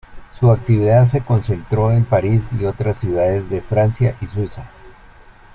Su actividad se concentró en París y otras ciudades de Francia y Suiza.